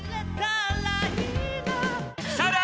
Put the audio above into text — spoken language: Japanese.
［さらに］